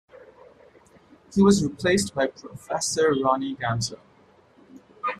He was replaced by Prof. Roni Gamzo.